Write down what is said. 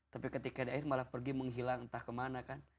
tapi ketika akhir malah pergi menghilang entah kemana kan